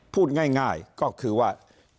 พูดง่ายก็คือว่า